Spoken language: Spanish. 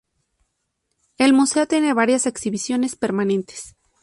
El museo tiene varias exhibiciones permanentes.